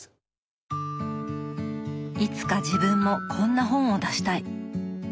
「いつか自分もこんな本を出したい」。